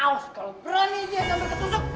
awas kalau berani dia sampai ketusuk